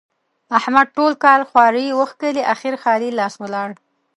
احمد ټول کال خواري وکښلې؛ اخېر خالي لاس ولاړ.